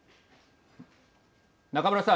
中村さん。